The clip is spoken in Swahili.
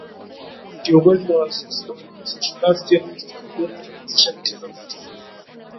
kiongozi wa wasoshalisti Agosti Bebel alianzisha mtindo wa kuchoma miji